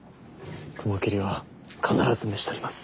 雲霧は必ず召し捕ります。